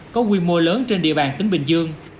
có quy mô lớn trên địa bàn tỉnh bình dương